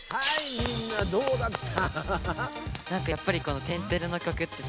みんなどうだった？